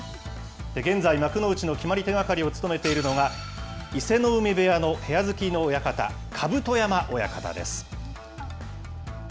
現在、幕内の決まり手係を務めているのが、伊勢ノ海部屋の部屋付きの親方、甲山親方です。